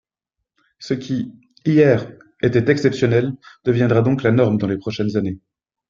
Ce qui, hier, était exceptionnel deviendra donc la norme dans les prochaines années.